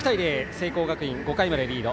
聖光学院、５回までリード。